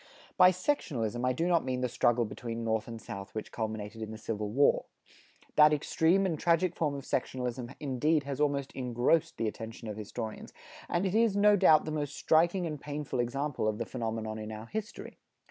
By sectionalism I do not mean the struggle between North and South which culminated in the Civil War. That extreme and tragic form of sectionalism indeed has almost engrossed the attention of historians, and it is, no doubt, the most striking and painful example of the phenomenon in our history.